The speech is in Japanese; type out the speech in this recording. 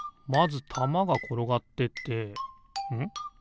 まずたまがころがってってん？